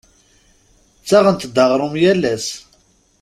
Ttaɣent-d aɣrum yal ass.